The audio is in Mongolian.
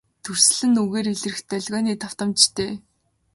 Дүрслэл нь үгээр илрэх долгионы давтамжтай.